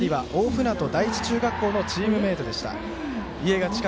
２人は大船渡第一中学校のチームメートでした。